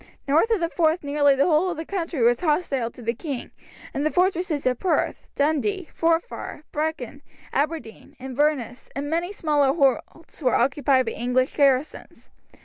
North of the Forth nearly the whole of the country was hostile to the king, and the fortresses of Perth, Dundee, Forfar, Brechin, Aberdeen, Inverness, and many smaller holds, were occupied by English garrisons.